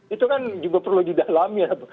itu kan juga perlu didalami ya